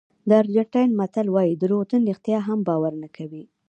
د ارجنټاین متل وایي دروغجن رښتیا هم باور نه کوي.